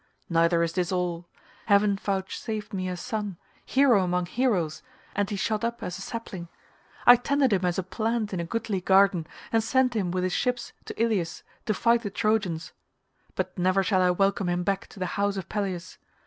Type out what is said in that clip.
Neither is this all. Heaven vouchsafed me a son, hero among heroes, and he shot up as a sapling. I tended him as a plant in a goodly garden and sent him with his ships to Ilius to fight the Trojans, but never shall I welcome him back to the house of Peleus.